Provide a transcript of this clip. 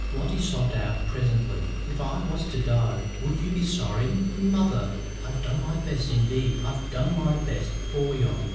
Lotty sobbed out presently. "If I was to die, would you be sorry?" "Mother!" "I've done my best, indeed I've done my best for yon!